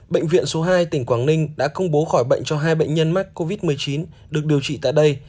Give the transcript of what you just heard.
bệnh viện số hai tỉnh quảng ninh đã công bố khỏi bệnh cho hai bệnh nhân mắc covid một mươi chín được điều trị tại đây